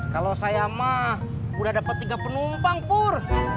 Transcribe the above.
kalau saya mah udah dapat tiga penumpang pur